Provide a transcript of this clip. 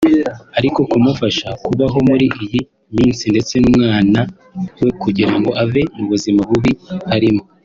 ari ukumufasha kubaho muri iyi minsi ndetse n’umwana we kugira ngo ave mu buzima bubi arimo”